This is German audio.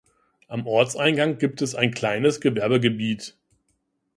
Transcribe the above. Am Ortseingang gibt es ein kleines Gewerbegebiet.